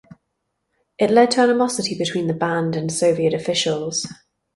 It led to animosity between the band and Soviet officials.